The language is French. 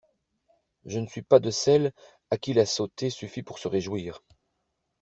Je ne suis pas de celles à qui la sauté suffit pour se réjouir.